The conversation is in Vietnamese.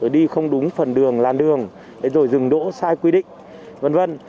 đi không đúng phần đường làn đường rồi dừng đỗ sai quy định v v